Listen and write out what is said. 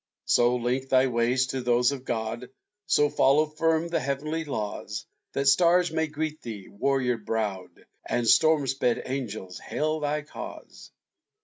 So link thy ways to those of God, So follow firm the heavenly laws, That stars may greet thee, warrior browed, And storm sped angels hail thy cause!